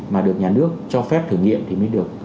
mà được nhà nước cho phép thử nghiệm thì mới được